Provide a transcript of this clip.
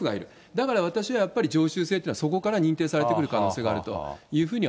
だから私はやっぱり、常習性というのはそこから認定されてくる可能性があるというふう